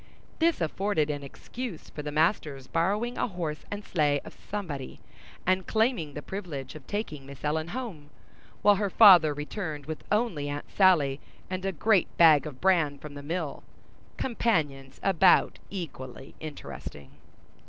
This afforded an excuse for the master's borrowing a horse and sleigh of somebody, and claiming the privilege of taking Miss Ellen home, while her father returned with only Aunt Sally and a great bag of bran from the mill—companions about equally interesting.